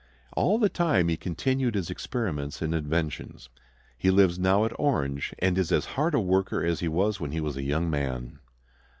All the time he continued his experiments and inventions. He lives now at Orange, and is as hard a worker as he was when a young man.